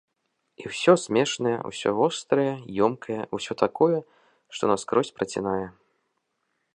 І ўсё смешнае, усё вострае, ёмкае, усё такое, што наскрозь працінае.